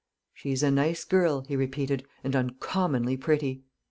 "She's a nice girl," he repeated, "and uncommonly pretty."